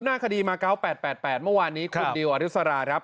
หน้าคดีมา๙๘๘เมื่อวานนี้คุณดิวอริสราครับ